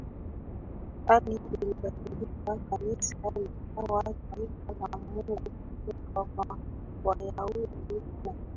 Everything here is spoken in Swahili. hali ilibadilika Kanisa likawa taifa la Mungu kutoka kwa Wayahudi na